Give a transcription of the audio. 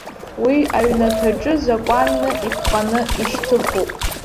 Уи аҩнаҭаҿы закәанны иԥҟаны ишьҭыхуп.